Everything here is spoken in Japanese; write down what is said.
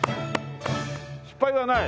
失敗はない？